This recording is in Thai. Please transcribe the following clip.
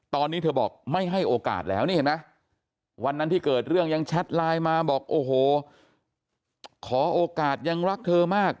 ตอนนี้เธอบอกไม่ให้โอกาสแล้วนี่เห็นไหมวันนั้นที่เกิดเรื่องยังแชทไลน์มาบอกโอ้โหขอโอกาสยังรักเธอมาก